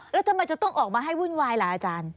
แล้วทำไมจะต้องออกมาให้วุ่นวายล่ะอาจารย์